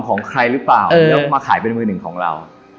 ของใครหรือเปล่าแล้วมาขายเป็นมือหนึ่งของเรา